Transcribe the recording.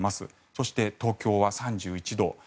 そして、東京は３１度。